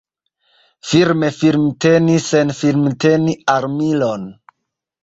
Firme firmteni sen firmteni armilon.